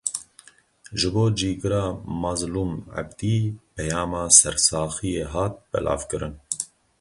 Ji bo Cîgira Mazlûm Ebdî peyama sersaxiyê hat belavkirin.